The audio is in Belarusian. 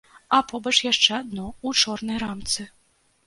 А побач яшчэ адно, у чорнай рамцы.